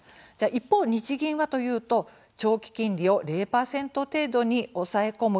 一方、日銀はというと長期金利を０％程度に抑え込む